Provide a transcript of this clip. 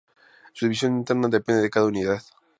Su división interna depende de cada unidad.